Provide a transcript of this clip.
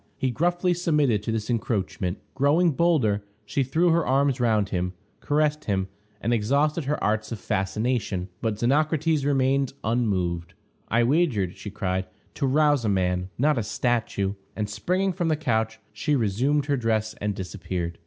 He gruffly submitted to this encroachment. Growing bolder, she threw her arms round him, caressed him, and exhausted her arts of fascination, but Xenocrates remained unmoved. "I wagered," she cried, "to rouse a man, not a statue;" and, springing from the couch, she resumed her dress and disappeared.